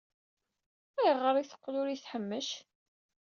Ayɣer ay teqqel ur iyi-tḥemmec?